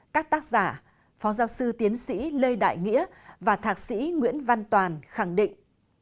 các tác giả phó giáo sư tiến sĩ lê đại nghĩa và thạc sĩ nguyễn văn toàn khẳng định